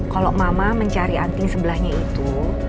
kalau mama mencari anting sebelahnya itu